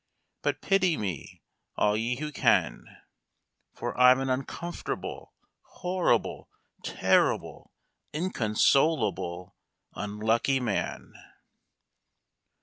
But pity me all ye who can, For I'm an uncomfortable, horrible, terrible, inconsolable, unlucky man."